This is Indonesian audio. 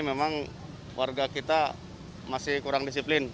memang warga kita masih kurang disiplin